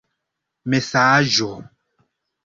mesaĝo